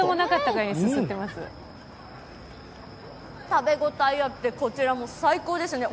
食べ応えあって、こちらも最高ですね。